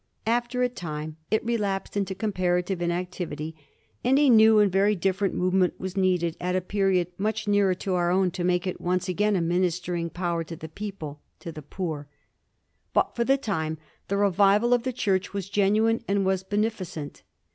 After a time it relapsed into comparative inactivity; and a new and very different move ment was needed at a period much nearer to our own to make it once again a ministering power to the people — ^to the poor. But for the time the revival of the Church was genuine and was beneficent.